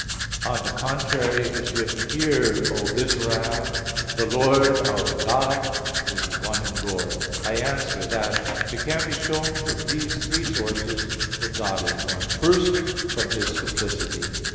On the contrary, It is written "Hear, O Israel, the Lord our God is one Lord" (Deut. 6:4). I answer that, It can be shown from these three sources that God is one. First from His simplicity.